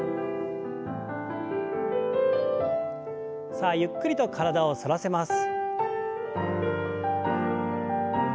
さあゆっくりと体を反らせます。